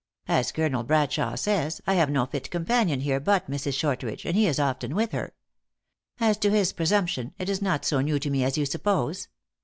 As Colonel Bradshawe says, I have no lit companion here but Mrs. Shortridge, and he is of ten with her. As to his presumption, it is not so new to me as you suppose.